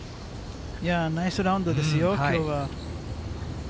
ナイスラウンドですよ、きょうは。